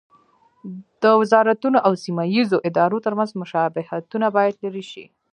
د وزارتونو او سیمه ییزو ادارو ترمنځ مشابهتونه باید لرې شي.